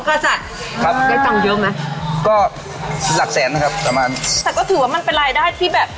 กษัตริย์ครับได้ตังค์เยอะไหมก็หลักแสนนะครับประมาณแต่ก็ถือว่ามันเป็นรายได้ที่แบบ